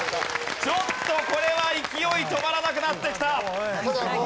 ちょっとこれは勢い止まらなくなってきた。